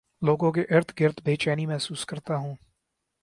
لوگوں کے ارد گرد بے چینی محسوس کرتا ہوں